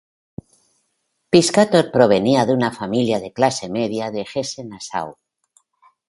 Piscator provenía de una familia de clase media de Hesse-Nassau.